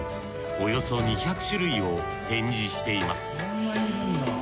およそ２００種類を展示しています